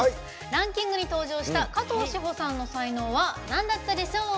ランキングに登場した加藤史帆さんの才能はなんだったでしょう。